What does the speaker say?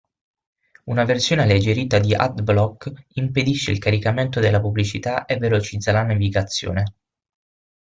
Una versione alleggerita di AdBlock impedisce il caricamento delle pubblicità e velocizza la navigazione.